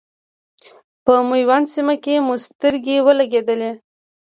په میوند سیمه کې مو سترګې ولګېدلې.